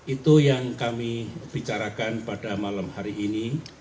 itu yang kami bicarakan pada malam hari ini